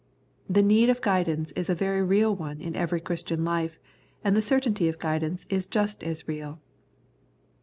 The need of guidance is a very real one in every Christian life, and the certainty of guidance is just as real.